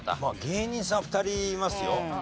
芸人さん２人いますよ。